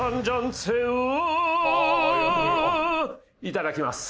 いただきます。